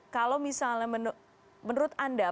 kalau misalnya menurut anda apakah terjadi apa